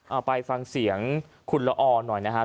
เอาไปฟังเสียงคุณละออหน่อยนะครับ